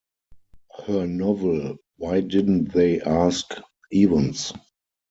Her novel Why Didn't They Ask Evans?